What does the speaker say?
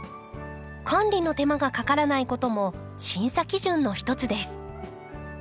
管理の手間がかからないことも審査基準の一つです。